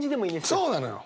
そうなのよ。